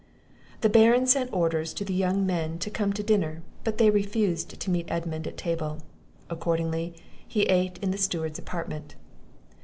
The Baron sent orders to the young men to come to dinner; but they refused to meet Edmund at table; accordingly he ate in the steward's apartment.